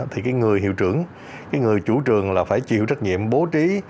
thì cái người hiệu trưởng cái người chủ trường là phải chịu trách nhiệm bố trí